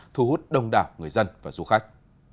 thu hút đông đảo người dân và du khách